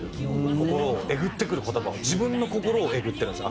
心をえぐってくる言葉を自分の心をえぐってるんですよ